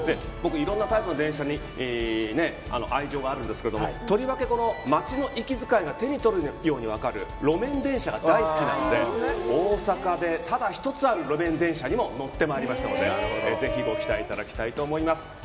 僕、いろんなタイプの電車に愛情があるんですけれども、とりわけ町の息遣いが手に取るように分かる路面電車が大好きなんで、大阪でただ一つある路面電車にも乗って参りましたのでぜひ、ご期待いただきたいと思います。